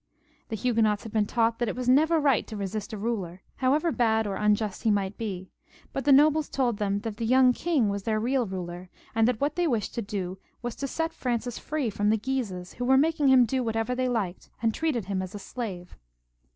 The Huguenots had been taught that it was never right to resist a ruler, however bad or imjust he might be ; but the nobles told them that the young king was their real ruler, and that what they wished to do was to set Francis free from the Guises, who were making him do whatever they liked, and treated him as a slave.